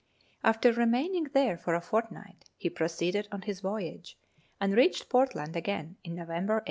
After remaining there for a fortnight, he proceeded on his voyage, and reached Portland again in November 1835.